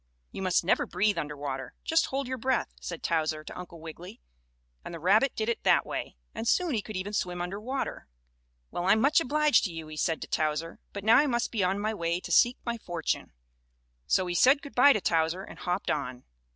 "You must never breathe under water just hold your breath," said Towser to Uncle Wiggily, and the rabbit did it that way, and soon he could even swim under water. "Well, I'm much obliged to you," he said to Towser, "but now I must be on my way to seek my fortune." So he said good by to Towser and hopped on.